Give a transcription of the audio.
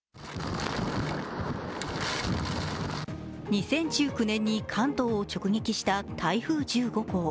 ２０１９年に関東を直撃した台風１５号。